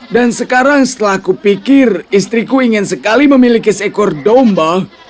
dan sekarang setelah kupikir istriku ingin sekali memiliki sekor domba